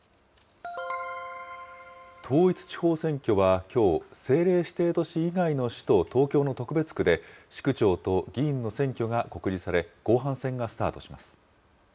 統一地方選挙はきょう、政令指定都市以外の市と東京の特別区で市区長と議員の選挙が告示され、後半戦がスタートします。